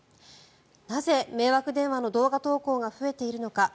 なぜ迷惑電話の動画投稿が増えているのか。